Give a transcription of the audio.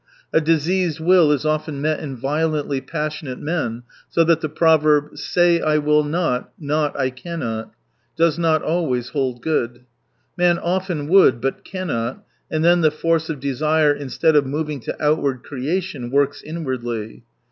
A diseased will is often met in violently passionate men, so that the proverb —" Say I will not, not I cannot "— does not always hold good. Man often would, but cannot. And then the force of desire instead of moving to outward creation, works inwardly.